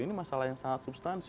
ini masalah yang sangat substansi